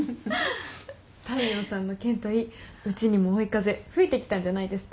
大陽さんの件といいうちにも追い風吹いてきたんじゃないですか？